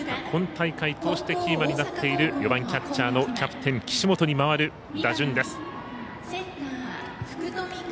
今大会キーマンになっている４番、キャッチャーキャプテン、岸本に回る打順です。